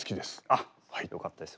あっよかったです。